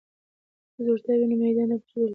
که زړورتیا وي نو میدان نه پریښودل کیږي.